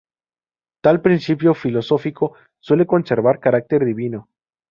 Tal principio filosófico suele conservar carácter divino.